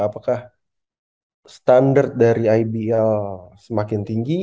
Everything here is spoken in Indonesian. apakah standar dari ibl semakin tinggi